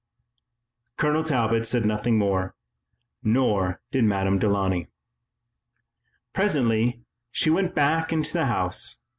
Colonel Talbot said nothing more, nor did Madame Delaunay. Presently she went back into the house.